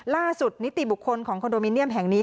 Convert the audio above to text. นิติบุคคลของคอนโดมิเนียมแห่งนี้